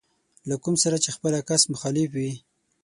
له کوم سره چې خپله کس مخالف وي.